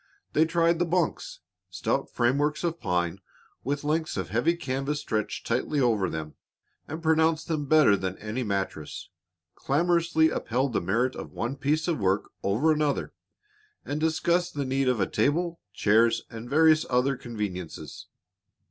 They tried the bunks, stout frameworks of pine with lengths of heavy canvas stretched tightly over them, and pronounced them better than any mattress, clamorously upheld the merit of one piece of work over another, and discussed the need of a table, chairs, and various other conveniences.